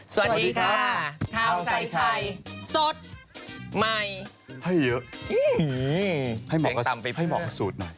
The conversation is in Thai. สวัสดีค่ะข้าวใส่ไข่สดใหม่ให้เยอะให้เหมาะกับสูตรหน่อย